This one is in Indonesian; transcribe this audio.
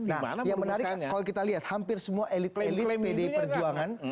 nah yang menarik kalau kita lihat hampir semua elit elit pdi perjuangan